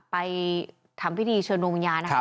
ไปทำพิธีเชิญวงญานะคะ